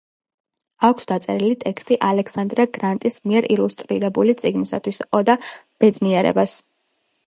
აქვს დაწერილი ტექსტი ალექსანდრა გრანტის მიერ ილუსტრირებული წიგნისთვის „ოდა ბედნიერებას“.